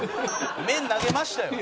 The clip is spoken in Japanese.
麺投げましたよ。